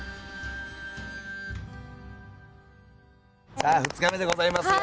さあ２日目でございますよ。